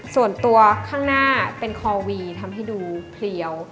ส่วนตัวข้างหน้าเป็นคอวีทำให้ดูเพลียว